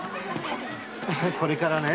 これからね